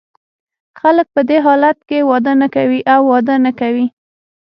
خلګ په دې حالت کې واده نه کوي او واده نه کوي.